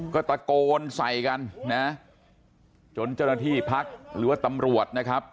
ก็ตะโกนใส่กันนะจนเจ้าหน้าที่พักหรือว่าตำรวจนะครับ